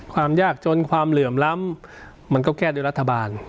ความยากจนความเหลื่อมล้ำมันก็แก้ด้วยรัฐบาล